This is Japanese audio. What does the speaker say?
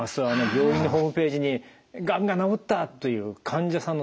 病院のホームページに「がんが治った」という患者さんの体験談。